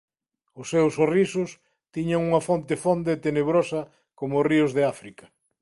Os seus sorrisos tiñan unha fonte fonda e tenebrosa coma os ríos de África.